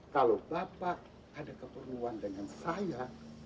kalau bapak ada keperluan dengan saya